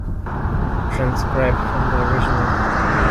Transcribed from the original.